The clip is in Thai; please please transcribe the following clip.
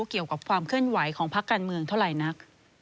เกี่ยวกับความเคลื่อนไหวของพักการเมืองเท่าไหร่นัก